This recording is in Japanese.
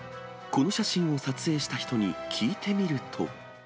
この写真を撮影した人に聞いてみると。